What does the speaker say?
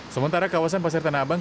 sementara kawasan pasar tanah abang